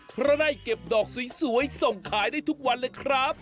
เพราะได้เก็บดอกสวยส่งขายได้ทุกวันเลยครับ